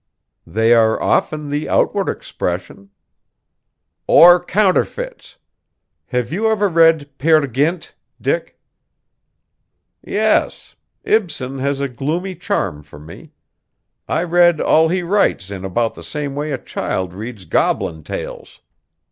"They are often the outward expression." "Or counterfeits. Have you ever read 'Peer Gynt,' Dick?" "Yes. Ibsen has a gloomy charm for me. I read all he writes in about the same way a child reads goblin tales.